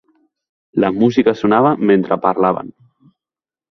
La música sonava mentre parlaven.